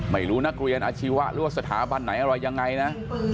ไม่รู้นักเรียนอาชีวะหรือว่าสถาบันไหนอะไรยังไงนะ